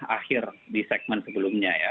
akhir di segmen sebelumnya ya